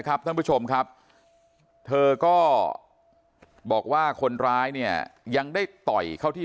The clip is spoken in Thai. ท่านผู้ชมครับเธอก็บอกว่าคนร้ายเนี่ยยังได้ต่อยเข้าที่